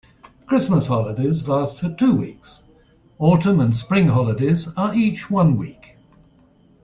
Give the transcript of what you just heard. Christmas holidays last for two weeks, autumn and spring holidays are each one week.